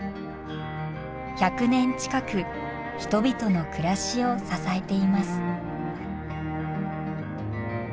１００年近く人々の暮らしを支えています。